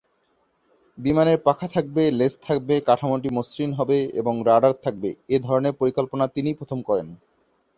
বিমানের পাখা থাকবে, লেজ থাকবে, কাঠামোটি মসৃণ হবে এবং রাডার থাকবে- এ ধরনের পরিকল্পনা তিনিই প্রথম করেন।